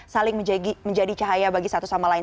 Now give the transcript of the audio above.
saling menjadi cahaya bagi satu sama lain